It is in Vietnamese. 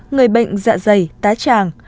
người bệnh dạ dày tá tràng